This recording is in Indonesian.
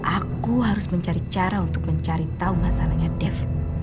aku harus mencari cara untuk mencari tahu masalahnya david